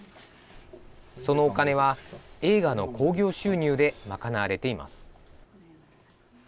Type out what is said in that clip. そのお金は、映画の興行収入で賄われています。